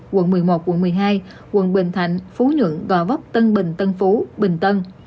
quận một mươi một quận một mươi hai quận bình thạnh phú nhưỡng đò vóc tân bình tân phú bình tân